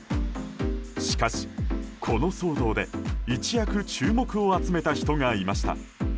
しかし、この騒動で一躍注目を集めた人がいました。